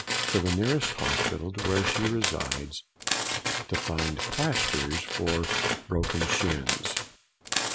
to the nearest hospital to where she resides to find plasters for broken shins.